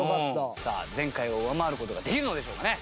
さあ前回を上回る事ができるのでしょうかね？